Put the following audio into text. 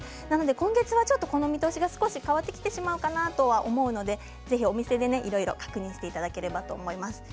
今月は、この見通しがちょっと変わってきてしまうかなとは思うのでぜひ、お店でいろいろ確認していただければと思います。